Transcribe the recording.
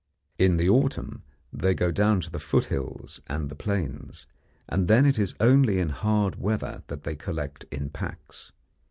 In the autumn they go down to the foot hills and the plains, and then it is only in hard weather that they collect in packs.